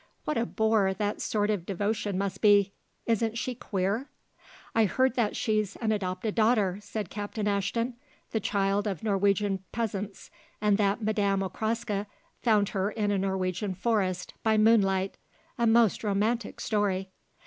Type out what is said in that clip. What a bore that sort of devotion must be. Isn't she queer?" "I had heard that she's an adopted daughter," said Captain Ashton; "the child of Norwegian peasants, and that Madame Okraska found her in a Norwegian forest by moonlight; a most romantic story."